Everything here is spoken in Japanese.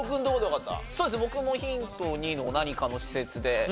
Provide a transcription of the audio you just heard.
僕もヒント２の「何かの施設」で。